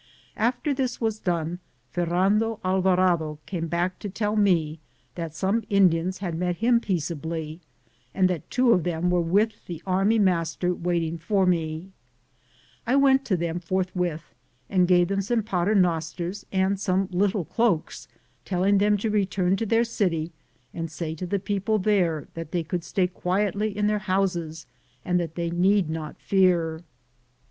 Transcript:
After this was done, Ferrando Alvarado came back to tell me that some Indians had met him peaceably, and that two of them were with the army master waiting for me, I went to them forthwith and gave them some paternosters and some little cloaks, telling them to return to their city and say to the people there that they could stay quietly in their houses and that they need not fear.